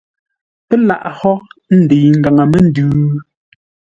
Pə́ laghʼ hó ə́ ndəiʼi ngaŋə-məndʉ?